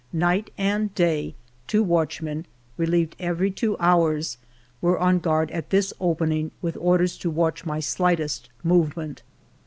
Night and day two watchmen, relieved every two hours, were on guard at this opening, with orders to watch my slightest movement.